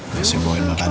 mas yang bawain makan